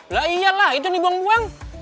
lah iyalah itu dibuang buang